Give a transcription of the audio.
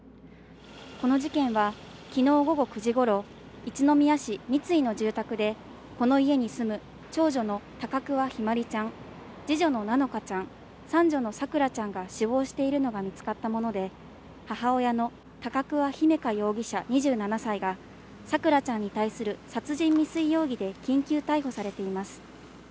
この事件は昨日午後９時頃、一宮市三ツ井の住宅でこの家に住む長女の高桑姫茉梨ちゃん、二女の菜乃華ちゃん、三女の咲桜ちゃんが死亡しているのが見つかったもので、母親の高桑姫華容疑者、２７歳が咲桜ちゃんに対する殺人未遂容疑で緊急逮捕されています。